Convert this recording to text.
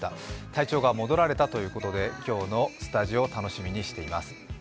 体調が戻られたということで今日のスタジオ、楽しみにしています。